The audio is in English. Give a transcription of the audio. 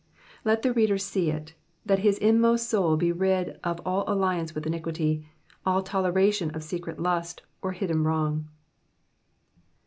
Let the reader see to it, that his inmost soul be rid of all alliance with iniquity, all toleration of secret lust, or hidden wrong.